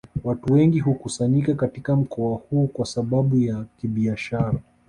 Watu wengi hukusanyika katika mkoa huu kwa sababu ya kibiashara